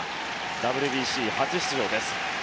ＷＢＣ初出場です。